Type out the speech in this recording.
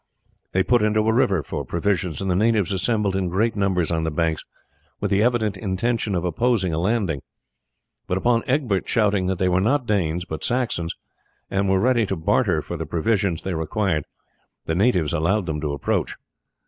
They put into a river for provisions, and the natives assembled in great numbers on the banks with the evident intention of opposing a landing; but upon Egbert shouting that they were not Danes but Saxons, and were ready to barter for the provisions they required, the natives allowed them to approach.